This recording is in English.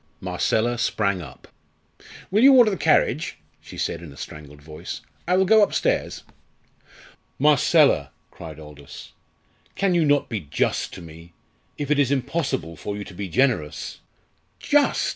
Marcella sprang up. "Will you order the carriage?" she said in a strangled voice. "I will go upstairs." "Marcella!" cried Aldous; "can you not be just to me, if it is impossible for you to be generous?" "Just!"